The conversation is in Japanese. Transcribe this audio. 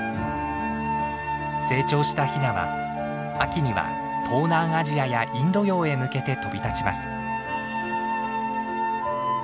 成長したヒナは秋には東南アジアやインド洋へ向けて飛び立ちます。